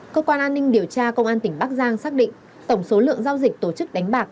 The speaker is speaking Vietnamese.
cơ quan an ninh điều tra công an tỉnh bắc giang xác định tổng số lượng giao dịch tổ chức đánh bạc